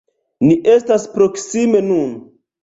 Ni estas proksime nun.